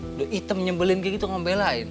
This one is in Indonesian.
udah hitam nyebelin kayak gitu kamu belain